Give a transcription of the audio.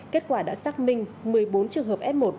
kết quả đã xác minh một mươi bốn trường hợp f một